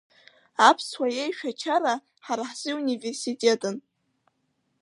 Аԥсуа иеишәачара ҳара ҳзы иуниверситетын…